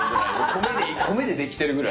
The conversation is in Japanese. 米で米でできてるぐらい。